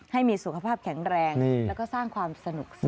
ให้มีสุขภาพแข็งแรงแล้วก็สร้างความสนุกสนาน